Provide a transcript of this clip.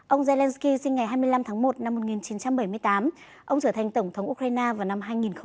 ông zelensky sinh ngày hai mươi năm tháng một năm một nghìn chín trăm bảy mươi tám ông trở thành tổng thống ukraine vào năm hai nghìn một mươi